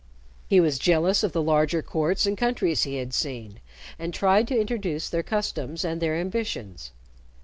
He was jealous of the larger courts and countries he had seen, and tried to introduce their customs and their ambitions.